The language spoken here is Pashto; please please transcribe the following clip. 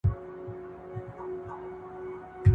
تشي کیسې د تاریخونو کوي